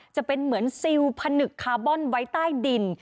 จะเป็นเหมือนซิลผนึกคาร์บอนไว้ใต้ดิน